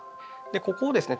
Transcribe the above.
ここをですね